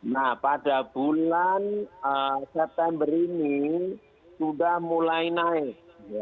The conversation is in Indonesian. nah pada bulan september ini sudah mulai naik